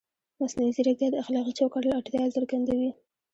مصنوعي ځیرکتیا د اخلاقي چوکاټ اړتیا څرګندوي.